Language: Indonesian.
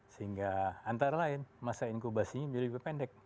sehingga antara lain masa inkubasinya menjadi lebih pendek